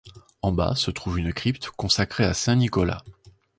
En-bas, se trouve une crypte, consacrée à saint Nicolas.